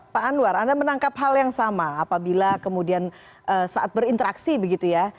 pak anwar anda menangkap hal yang sama apabila kemudian saat berinteraksi begitu ya